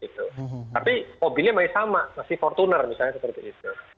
tapi mobilnya masih sama masih fortuner misalnya seperti itu